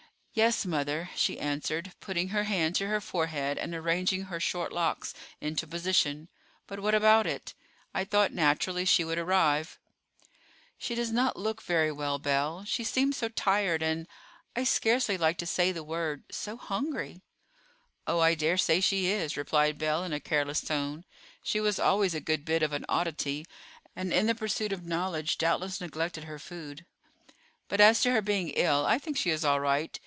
"Yes, mother," she answered, putting her hand to her forehead and arranging her short locks into position; "but what about it? I thought naturally she would arrive." "She does not look very well, Belle. She seems so tired, and—I scarcely like to say the word—so hungry." "Oh, I dare say she is!" replied Belle in a careless tone. "She was always a good bit of an oddity, and in the pursuit of knowledge doubtless neglected her food; but as to her being ill, I think she is all right.